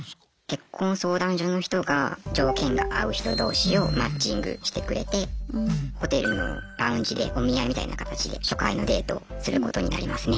結婚相談所の人が条件が合う人同士をマッチングしてくれてホテルのラウンジでお見合いみたいな形で初回のデートをすることになりますね。